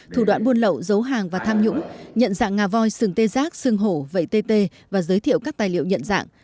thủ đoạn buôn lậu giấu hàng và tham nhũng nhận dạng ngà voi sừng tê giác sừng hổ vẫy tê tê và giới thiệu các tài liệu nhận dạng